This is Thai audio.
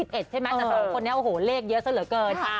เยอะเยอะเกิน